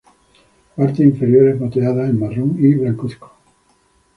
Partes inferiores moteadas en marrón y blancuzco.